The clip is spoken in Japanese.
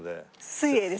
水泳ですね。